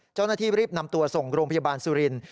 เจ้าหน้าที่รีบนำตัวส่งโรงพยาบาลสุรินทร์